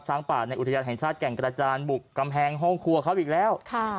ป่าในอุทยานแห่งชาติแก่งกระจานบุกกำแพงห้องครัวเขาอีกแล้ว